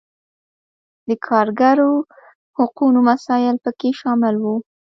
د کارګرو حقونو مسایل پکې شامل وو.